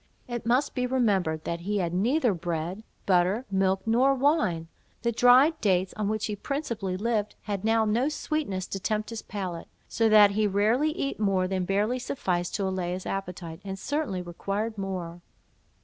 It must be remembered, that he had neither bread, butter, milk, nor wine; the dried dates, on which he principally lived, had now no sweetness to tempt his palate; so that he rarely eat more than barely sufficed to allay his appetite, and certainly required more.